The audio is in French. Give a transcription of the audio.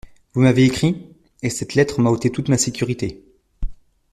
Vous m’avez écrit… et cette lettre m’a ôté toute ma sécurité…